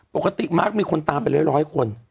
ปกติมาร์คมีคนตามไปร้อยคน